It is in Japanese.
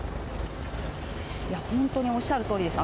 本当におっしゃるとおりです。